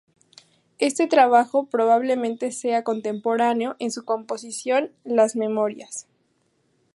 Este trabajo probablemente sea contemporáneo en su composición las "Memorias.